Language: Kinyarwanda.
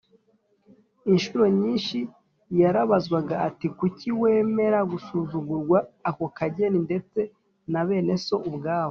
Inshuro nyinshi yarabazwaga ati, Kuki wemera gusuzugurwa ako kageni, ndetse na bene so ubwabo